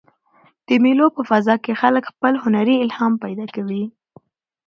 د مېلو په فضا کښي خلک خپل هنري الهام پیدا کوي.